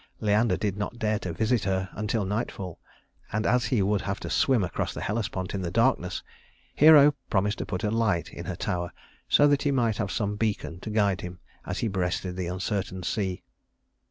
Leander did not dare to visit her until nightfall; and as he would have to swim across the Hellespont in the darkness, Hero promised to put a light in her tower so that he might have some beacon to guide him as he breasted the uncertain sea.